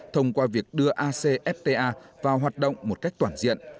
thông qua việc đưa acfta vào hoạt động một cách toàn diện